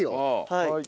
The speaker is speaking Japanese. はい。